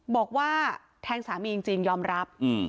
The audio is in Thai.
บอกว่าแทงสามีจริงยอมรับ